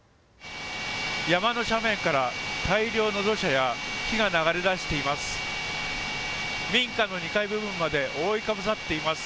山の斜面から大量の土砂や木が流れ出しています。